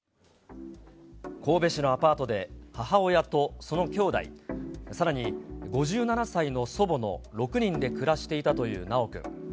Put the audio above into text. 神戸市のアパートで、母親とそのきょうだい、さらに５７歳の祖母の６人で暮らしていたという修くん。